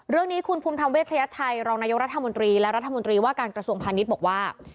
เรื่องนี้คุณภูมิธรรมเวชยชัยรองนายกรัฐมนตรีและรัฐมนตรีว่าการกระทรวงพาณิชย์บอกว่า